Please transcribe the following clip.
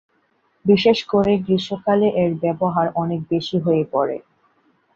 বিশেষ করে গ্রীষ্মকালে এর ব্যবহার অনেক বেশি হয়ে পড়ে।